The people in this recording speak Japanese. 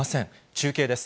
中継です。